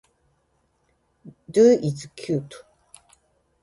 Dog is cute.